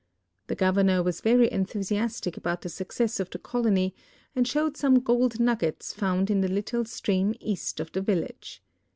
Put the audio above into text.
The governor was very enthusiastic about the success of the colony and showed soinegoM nuggets found in tln' little stream east of the village.